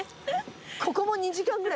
ここも２時間ぐらいいたい。